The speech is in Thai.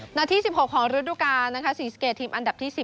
หน้าที่๑๖ของฤทธุกาสีสเกจทีมอันดับที่๑๐